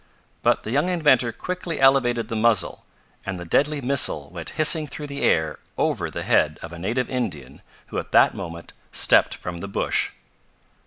But the young inventor quickly elevated the muzzle, and the deadly missile went hissing through the air over the head of a native Indian who, at that moment, stepped from the bush.